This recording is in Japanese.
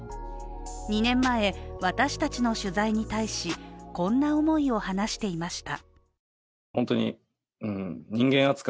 ２年前、私たちの取材に対しこんな思いを話していました。